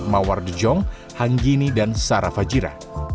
mawar dujong hanggini dan sara fajira